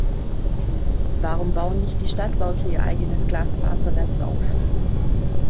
Warum bauen nicht die Stadtwerke ihr eigenes Glasfasernetz auf?